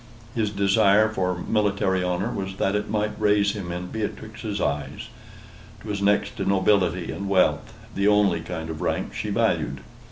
His desire for military honor was that it might raise him in Beatrix's eyes. 'Twas next to nobility and wealth, the only kind of rank she valued.